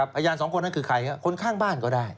พยานสองคนนั้นคือใครครับคนข้างบ้านก็ได้